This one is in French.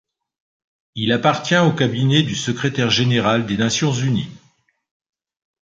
Il appartient au Cabinet du Secrétaire général des Nations unies.